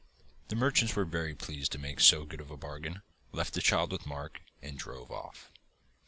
The merchants were very pleased to make so good a bargain, left the child with Mark, and drove off.